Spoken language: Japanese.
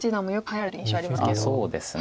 そうですね。